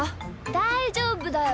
だいじょうぶだよ！